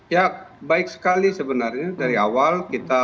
ya baik sekali sebenarnya dari awal kita